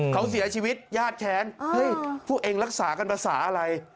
เขาเสียชีวิตญาติแค้นเฮ้ยพวกเองรักษากันภาษาอะไร